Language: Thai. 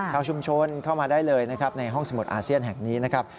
ชาวชุมชนเข้ามาได้เลยนะครับในห้องสมุดอาเซียนแห่งนี้นะครับ